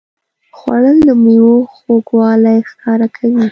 خوړل د میوو خوږوالی ښکاره کوي